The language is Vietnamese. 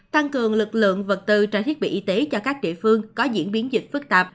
tăng cường lực lượng vật tư trang thiết bị y tế cho các địa phương có diễn biến dịch phức tạp